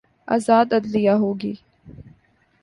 آزاد عدلیہ ہو گی۔